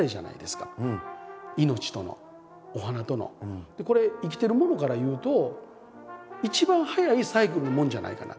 でもこれってでこれ生きてるものから言うと一番早いサイクルのものじゃないかな。